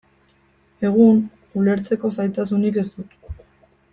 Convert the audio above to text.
Egun, ulertzeko zailtasunik ez dut.